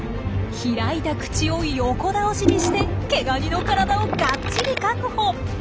開いた口を横倒しにしてケガニの体をガッチリ確保。